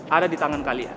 ada di tangan kalian